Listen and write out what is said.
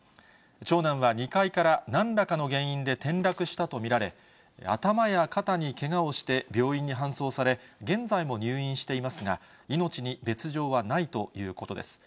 長男は２階から、なんらかの原因で転落したと見られ、頭や肩にけがをして病院に搬送され、現在も入院していますが、命に別状はないということです。